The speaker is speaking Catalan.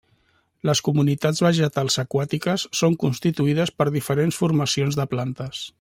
Les comunitats vegetals aquàtiques són constituïdes per diferents formacions de plantes.